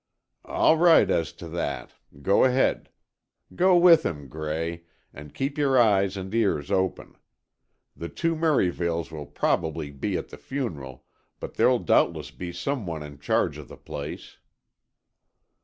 "All right as to that. Go ahead. Go with him, Gray, and keep your eyes and ears open. The two Merivales will probably be at the funeral, but there'll doubtless be some one in charge of the place."